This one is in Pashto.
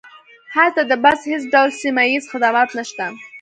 هلته د بس هیڅ ډول سیمه ییز خدمات نشته